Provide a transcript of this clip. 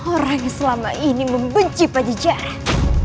orang yang selama ini membenci pajijaras